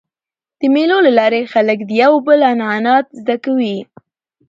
د مېلو له لاري خلک د یو بل عنعنات زده کوي.